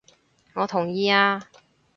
我同意啊！